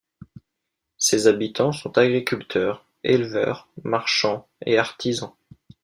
Ses habitants sont agriculteurs, éleveurs, marchands et artisans.